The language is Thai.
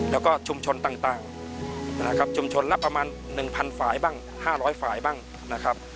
แล้วก็ชุมชนต่างต่างนะครับชุมชนละประมาณหนึ่งพันฝ่ายบ้างห้าร้อยฝ่ายบ้างนะครับ